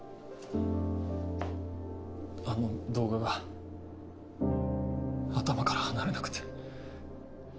あの動画が頭から離れなくて。